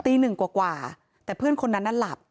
ตีหนึ่งกว่าแต่เพื่อนคนนั้นน่ะหลับ